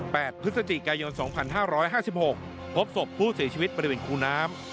แปดพฤศจิกายน๒๕๕๖พบศพผู้สีชีวิตบริวินครูน้ำ